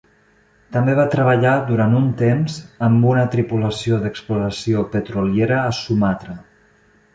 També va treballar, durant un temps, amb una tripulació d'exploració petroliera a Sumatra.